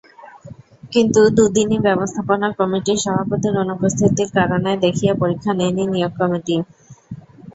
কিন্তু দুদিনই ব্যবস্থাপনা কমিটির সভাপতির অনুপস্থিতির কারণ দেখিয়ে পরীক্ষা নেয়নি নিয়োগ কমিটি।